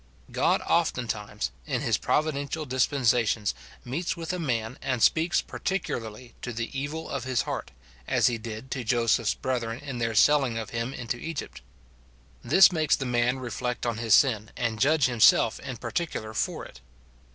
God oftentimes, in his providential dispen sations, meets with a man, and speaks particularly to the evil of his heart, as he did to Joseph's brethren in their selling of him into Egypt. This makes the man reflect on his sin, and judge himself in particular for it.